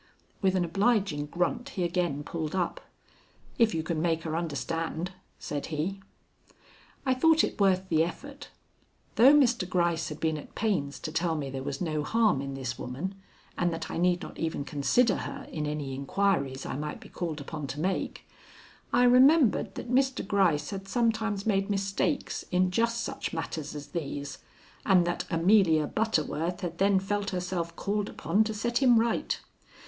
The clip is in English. With an obliging grunt he again pulled up. "If you can make her understand," said he. I thought it worth the effort. Though Mr. Gryce had been at pains to tell me there was no harm in this woman and that I need not even consider her in any inquiries I might be called upon to make, I remembered that Mr. Gryce had sometimes made mistakes in just such matters as these, and that Amelia Butterworth had then felt herself called upon to set him right.